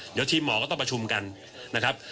เดี๋ยวทีมหมอก็ต้องประชุมกันนะครับ